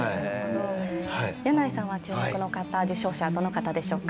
箭内さんは注目の受賞者はどの方でしょうか。